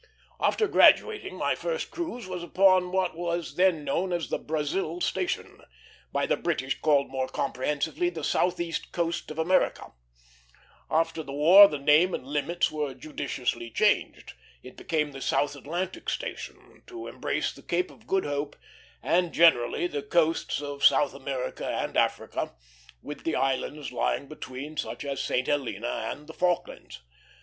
After graduating, my first cruise was upon what was then known as the Brazil Station; by the British called more comprehensively the Southeast Coast of America. After the war the name and limits were judiciously changed. It became then the South Atlantic Station, to embrace the Cape of Good Hope, and, generally, the coasts of South America and Africa, with the islands lying between, such as St. Helena and the Falklands.